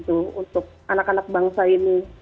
untuk anak anak bangsa ini